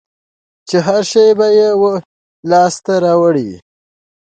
چي هرشی به یې وو لاس ته ورغلی